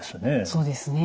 そうですね。